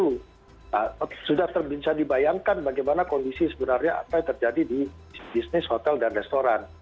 sudah bisa dibayangkan bagaimana kondisi sebenarnya apa yang terjadi di bisnis hotel dan restoran